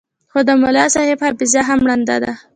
خو د ملاصاحب حافظه هم ړنده ده.